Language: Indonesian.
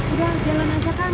udah jalan aja kan